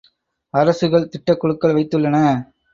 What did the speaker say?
அரசுகள் திட்டக்குழுக்கள் வைத்துள்ளன.